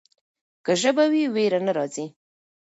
که ژبه وي ویره نه راځي.